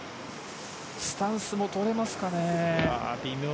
スタンスも取れますかね？